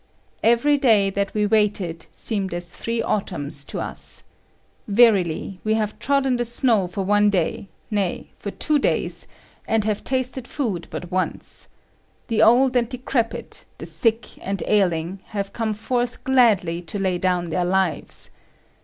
Every day that we waited seemed as three autumns to us. Verily, we have trodden the snow for one day, nay, for two days, and have tasted food but once. The old and decrepit, the sick and ailing, have come forth gladly to lay down their lives.